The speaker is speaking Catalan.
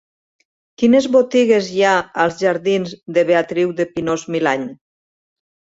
Quines botigues hi ha als jardins de Beatriu de Pinós-Milany?